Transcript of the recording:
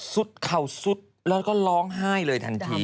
เข่าสุดแล้วก็ร้องไห้เลยทันที